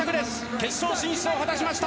決勝進出を果たしました。